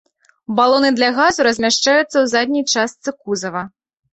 Балоны для газу размяшчаюцца ў задняй частцы кузава.